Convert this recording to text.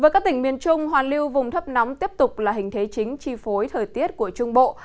với các tỉnh miền trung hoàn lưu vùng thấp nóng tiếp tục là hình thế chính chi phối thời tiết của trung bộ